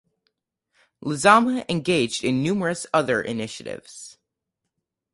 Lezama engaged in numerous other initiatives.